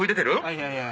いやいや。